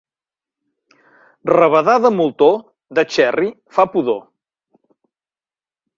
Rabadà de moltó, de xerri fa pudor.